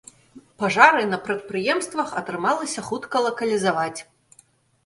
Пажары на прадпрыемствах атрымалася хутка лакалізаваць.